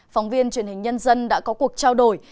phóng viên truyền hình nhân dân đã có cuộc trao đổi